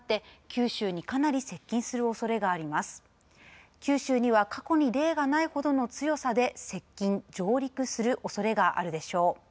九州には過去に例がないほどの強さで接近、上陸するおそれがあるでしょう。